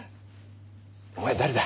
お前誰だ？